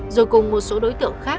rồi cùng một số đối tượng khác